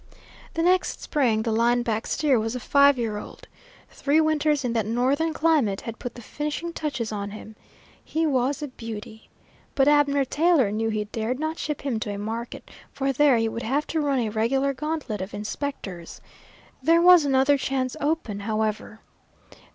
The next spring the line back steer was a five year old. Three winters in that northern climate had put the finishing touches on him. He was a beauty. But Abner Taylor knew he dared not ship him to a market, for there he would have to run a regular gauntlet of inspectors. There was another chance open, however.